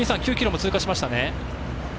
９ｋｍも通過しましたね。